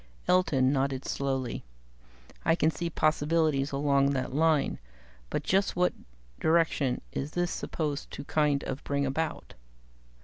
Elton nodded slowly. "I can see possibilities along that line but just what direction was this supposed to kind of bring about?"